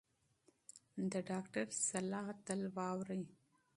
د ډاکټر مشوره تل واورئ.